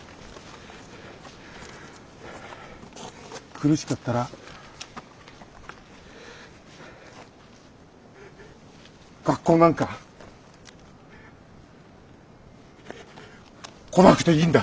苦しかったら学校なんか来なくていいんだ。